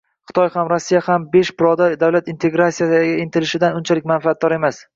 Xitoy ham, Rossiya ham besh birodar davlatning integratsiyaga intilishidan unchalik manfaatdor emas.